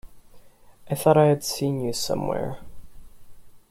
I thought I had seen you somewhere.